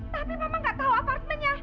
tapi mama gak tahu apartmennya